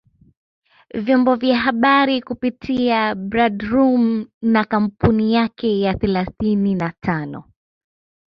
vyombo vya habari kupitia Bradroom na kampuni yake ya thelathini na tano